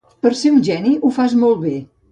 Per ser un geni, ho fas molt bé.